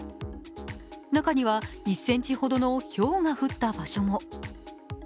中には１ｃｍほどのひょうが降った場所も。